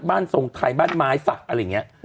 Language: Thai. ทรงไทยบ้านไม้สักอะไรอย่างนี้